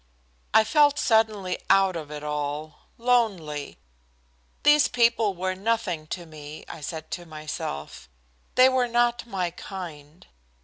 I felt suddenly out of it all, lonely. These people were nothing to me, I said to myself. They were not my kind.